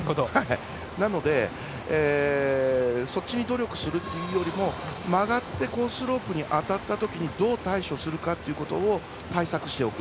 なのでそっちに努力するというよりも曲がってコースロープに当たったときにどう対処するかということを対策しておく。